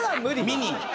ミニ。